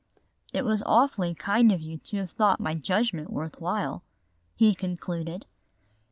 "It was awfully kind of you to have thought my judgment worth while," he concluded.